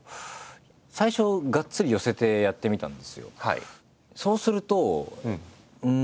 最初がっつり寄せてやってみたんですよ。